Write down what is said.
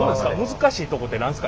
難しいとこて何ですか？